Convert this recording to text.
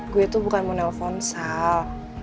gue tuh bukan mau telfon sal